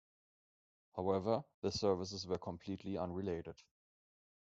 However, their services were completely unrelated.